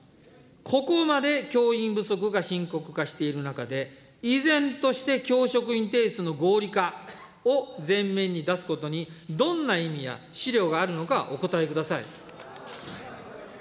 ここまで教員不足が深刻化している中で、依然として教職員定数の合理化を前面に出すことに、どんな意味や思慮があるのかお答えください。